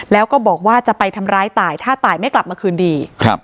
แล้วก็บอกว่าจะไปทำร้ายตายถ้าตายไม่กลับมาคืนดี